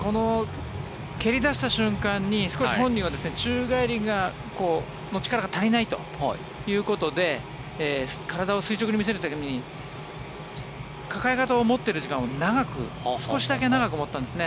蹴り出した時に本人は少し宙返りの力が足りないということで体を垂直に見せるために抱え型を持っている時間を少しだけ長く持ったんですね。